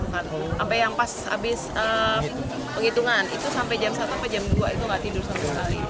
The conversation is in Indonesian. sampai yang pas habis penghitungan itu sampai jam satu sampai jam dua itu gak tidur sama sekali